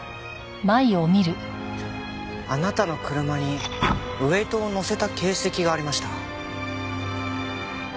あなたの車にウェートをのせた形跡がありました。